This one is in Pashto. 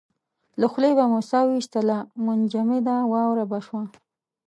له خولې به مو ساه واېستله منجمده واوره به شوه.